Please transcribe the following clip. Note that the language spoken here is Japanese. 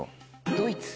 ドイツ。